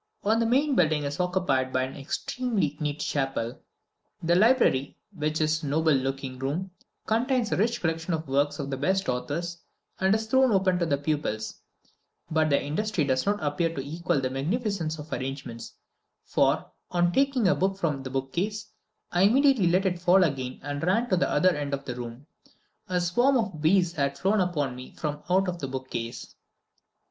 One of the main buildings is occupied by an extremely neat chapel. The library, which is a noble looking room, contains a rich collection of the works of the best authors, and is thrown open to the pupils; but their industry does not appear to equal the magnificence of the arrangements, for, on taking a book from the bookcase, I immediately let it fall again and ran to the other end of the room; a swarm of bees had flown upon me from out the bookcase.